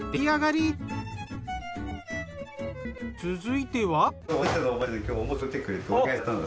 続いては。